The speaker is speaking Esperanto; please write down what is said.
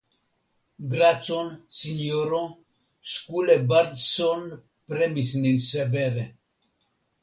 Gracon, sinjoro; Skule Bardsson premis nin severe!